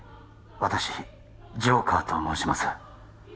私ジョーカーと申します